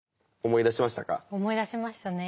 思い出しましたね。